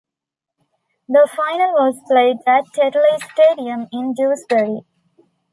The Final was played at Tetley's Stadium in Dewsbury.